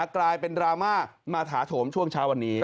กลายเป็นดราม่ามาถาโถมช่วงเช้าวันนี้